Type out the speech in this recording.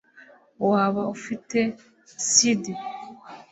waba ufite cd